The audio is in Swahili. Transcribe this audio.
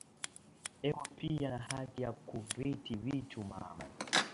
Eko piya na haki ya ku riti vitu mama